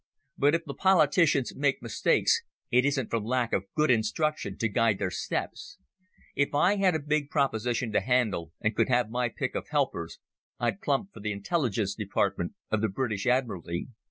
But if the politicians make mistakes it isn't from lack of good instruction to guide their steps. If I had a big proposition to handle and could have my pick of helpers I'd plump for the Intelligence Department of the British Admiralty.